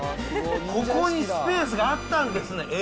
ここにスペースがあったんですね。